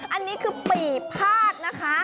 อันนี้คือปีพาดนะคะ